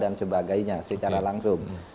dan sebagainya secara langsung